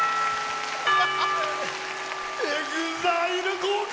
ＥＸＩＬＥ合格！